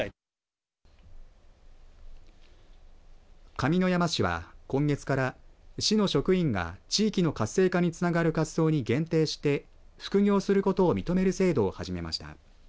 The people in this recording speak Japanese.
上山市は今月から市の職員が地域の活性化につながる活動に限定して副業することを認める制度を始めました。